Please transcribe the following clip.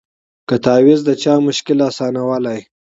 که تعویذ د چا مشکل آسانولای